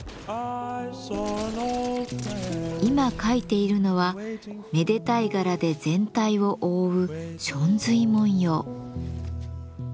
今描いているのはめでたい柄で全体を覆う祥瑞文様。